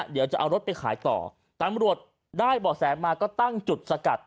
เดี๋ยวจะเอารถไปขายต่อตำรวจได้บ่อแสมาก็ตั้งจุดสกัด